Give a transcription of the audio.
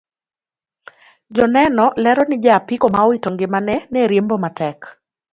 Joneno lero ni ja apiko ma owito ngimane ne riembo matek